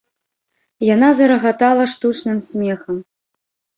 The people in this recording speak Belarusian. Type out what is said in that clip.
Яна зарагатала штучным смехам.